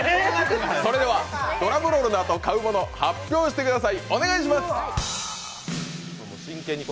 それではドラムロールのあと、買うもの発表してください。